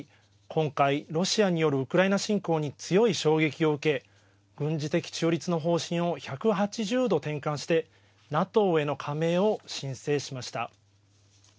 今回、ロシアによるウクライナ侵攻に強い衝撃を受け軍事的中立の方針を１８０度転換してＮＡＴＯへの加盟を申請しました。